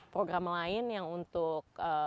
program lain yang untuk